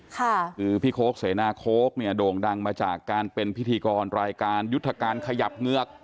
คือพี่โค้กเสนาโค้กเนี่ยโด่งดังมาจากการเป็นพิธีกรรายการยุทธการขยับเงือก